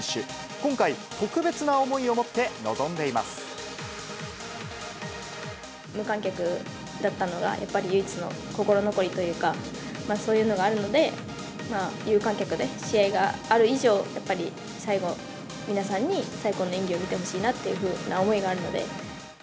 今回、無観客だったのが、やっぱり唯一の心残りというか、そういうのがあるので、有観客で試合がある以上、やっぱり、最後、皆さんに最高の演技を見てほしいなっていうふうな思いがあるので。